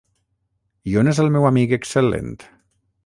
I on és el meu amic excel·lent?